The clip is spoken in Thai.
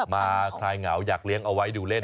คลายเหงาอยากเลี้ยงเอาไว้ดูเล่น